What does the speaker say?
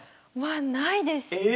ないですね。